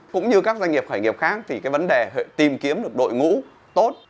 cũng như các doanh nghiệp khởi nghiệp khác thì cái vấn đề tìm kiếm được đội ngũ tốt